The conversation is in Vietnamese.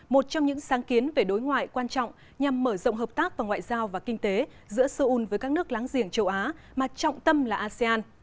một trong những sáng kiến về đối ngoại quan trọng nhằm mở rộng hợp tác và ngoại giao và kinh tế giữa seoul với các nước láng giềng châu á mà trọng tâm là asean